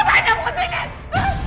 kenapa anda ke sini